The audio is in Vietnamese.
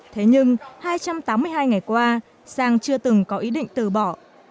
thế nhưng hai trăm tám mươi hai ngày qua sang chưa từng có ý định từ bỏ